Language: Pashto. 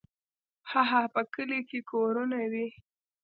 هاهاها په کلي کې کورونه وي.